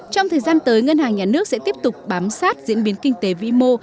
trong thời gian tới ngân hàng nhà nước sẽ tiếp tục bám sát diễn biến kinh tế vĩ mô